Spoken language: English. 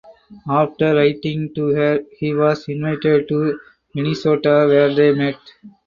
After writing to her he was invited to Minnesota where they met.